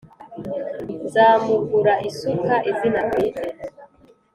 Nzamugura isuka izina bwite